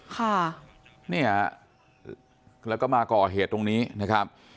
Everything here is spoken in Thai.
ค่ะเนี่ยแล้วก็มาก่อเหตุตรงนี้นะครับ